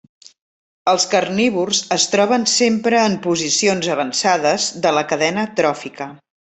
Els carnívors es troben sempre en posicions avançades de la cadena tròfica.